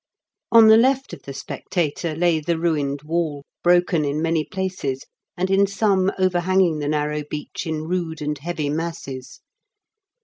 '^ On the left of the spectator lay the ruined wall, broken in many places, and in some overhanging the narrow beach in rude and heavy masses.